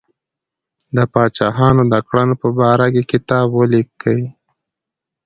د پاچاهانو د کړنو په باره کې کتاب ولیکي.